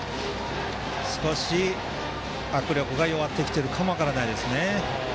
少し握力が弱ってきているかも分からないですね。